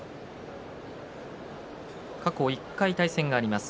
過去１回対戦があります。